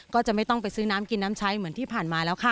ก็จะไม่ต้องไปซื้อน้ำกินน้ำใช้เหมือนที่ผ่านมาแล้วค่ะ